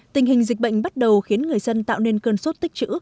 tình hình dịch bệnh bắt đầu khiến người dân tạo nên cơn sốt tích trữ